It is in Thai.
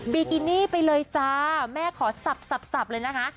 บีกินี่ไปเลยจ้าแม่ขอสับเลยนะคะ